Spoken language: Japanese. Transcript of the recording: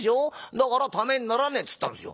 だから『ためにならねえ』っつったんですよ。